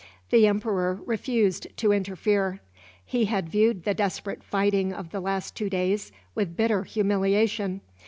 The emperor refused to interfere. He had viewed the desperate fighting of the last two days with bitter humiliation.